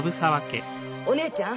お姉ちゃん